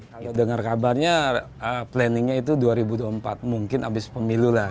kalau dengar kabarnya planningnya itu dua ribu dua puluh empat mungkin abis pemilu lah